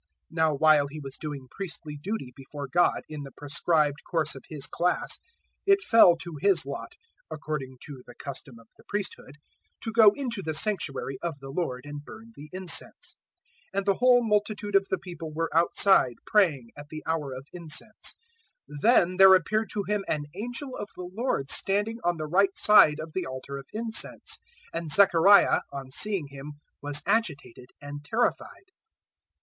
001:008 Now while he was doing priestly duty before God in the prescribed course of his class, 001:009 it fell to his lot according to the custom of the priesthood to go into the Sanctuary of the Lord and burn the incense; 001:010 and the whole multitude of the people were outside praying, at the hour of incense. 001:011 Then there appeared to him an angel of the Lord standing on the right side of the altar of incense; 001:012 and Zechariah on seeing him was agitated and terrified.